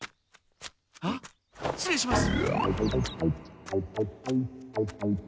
あっしつ礼します。